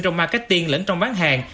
trong marketing lẫn trong bán hàng